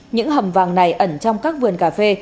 những hầm vàng này ẩn trong các vườn cà phê